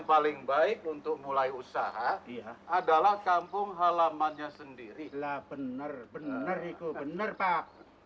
paling baik untuk mulai usaha dia adalah kampung halamannya sendiri lah bener bener itu bener pak